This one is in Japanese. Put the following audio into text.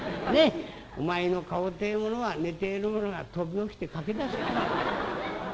お前の顔ってえものは寝ている者が飛び起きて駆け出す顔だ』。